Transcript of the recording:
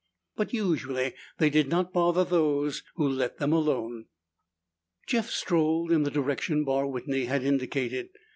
But usually they did not bother those who let them alone. Jeff strolled in the direction Barr Whitney had indicated.